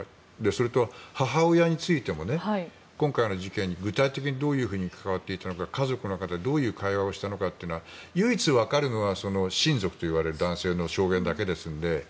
それと母親についても今回の事件に具体的にどういうふうに関わっていたのか家族の中でどういう会話をしたか唯一わかるのは親族といわれる男性の証言だけですので。